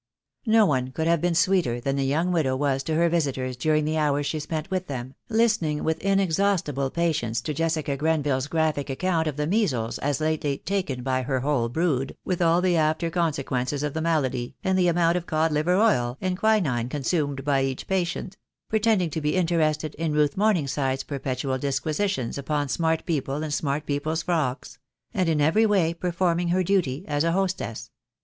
No one could have been sweeter than the young widow was to her visitors during the hours she spent with them, listening with inexhaustible patience to Jessica Grenville's graphic account of the measles as lately THE DAY WILL COME. 2 13 "taken" by her whole brood, with all the after con sequences of the malady, and the amount of cod liver oil and quinine consumed by each patient; pretending to be interested in Ruth Morningside's perpetual disquisitions upon smart people and smart people's frocks; and in every way performing her duty as a hostess.